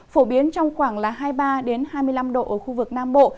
phổ biến trong khoảng là hai mươi ba đến hai mươi năm độ ở khu vực nam bộ